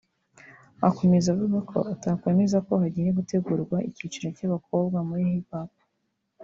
Akomeza avuga ko atakwemeza ko hagiye gutegurwa icyiciro cy’abakobwa muri Hip hop